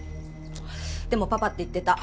でもパパって言ってた。